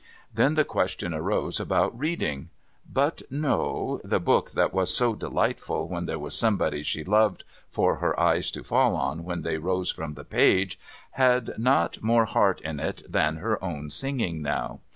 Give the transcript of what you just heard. Then the question arose about reading. But no ; the book that was so delightful when there was somebody she loved for her eyes to fall on when they rose from the page, had not more heart in it than her own singing now.